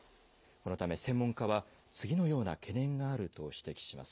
このため専門家は、次のような懸念があると指摘します。